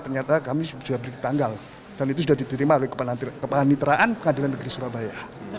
ternyata kami sudah beri tanggal dan itu sudah diterima oleh kepaniteraan pengadilan negeri surabaya